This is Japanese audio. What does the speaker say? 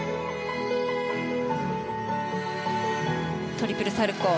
トリプルサルコウ。